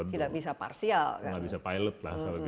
tidak bisa parsial nggak bisa pilot lah